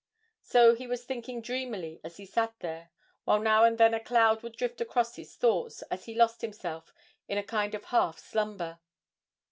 So he was thinking dreamily as he sat there while now and then a cloud would drift across his thoughts as he lost himself in a kind of half slumber.